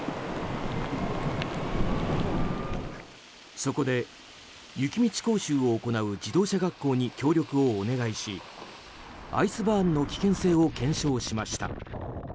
そこで雪道講習を行う自動車学校に協力をお願いしアイスバーンの危険性を検証しました。